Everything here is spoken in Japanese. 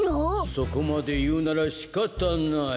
そこまでいうならしかたない。